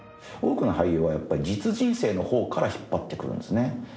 多くの俳優は、実人生のほうから引っ張ってくるんですね。